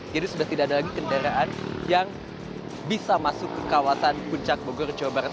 jadi sudah tidak ada lagi kendaraan yang bisa masuk ke kawasan puncak bogor jawa barat